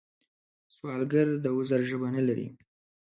سوالګر د عذر ژبه لري